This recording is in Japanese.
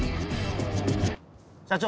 社長？